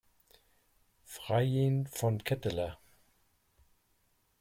Freiin von Ketteler.